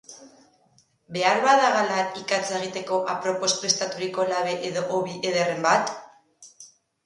Beharbadagalar ikatza egiteko apropos prestaturiko labe edo hobi ederren bat?